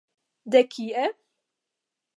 De kie?